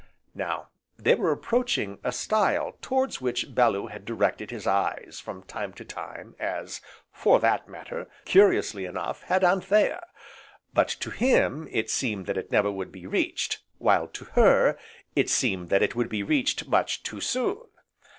Now they were approaching a stile towards which Bellew had directed his eyes, from time to time, as, for that matter, curiously enough, had Anthea; but to him it seemed that it never would be reached, while to her, it seemed that it would be reached much too soon.